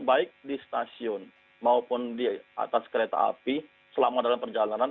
baik di stasiun maupun di atas kereta api selama dalam perjalanan